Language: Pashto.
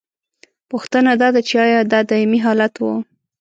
پوښتنه دا ده چې ایا دا دائمي حالت و؟